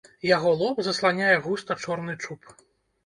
Яго лоб засланяе густа чорны чуб.